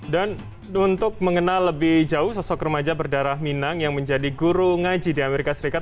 dan untuk mengenal lebih jauh sosok remaja berdarah minang yang menjadi guru ngaji di amerika serikat